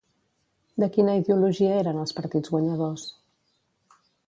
De quina ideologia eren els partits guanyadors?